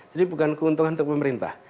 jadi bukan keuntungan untuk pemerintah